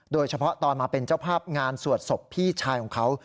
โดยเฉพาะตอนมาเป็นเจ้าภาพงานสวดศพพี่ชายของเขา